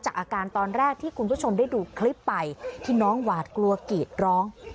อาการตอนแรกที่คุณผู้ชมได้ดูคลิปไปที่น้องหวาดกลัวกรีดร้อง